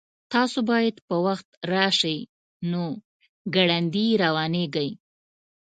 تاسو باید په وخت راشئ نو ګړندي روانیږئ